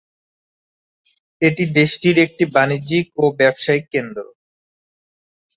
এটি দেশটির একটি বাণিজ্যিক ও ব্যবসায়িক কেন্দ্র।